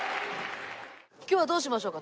今日はどうしましょうか？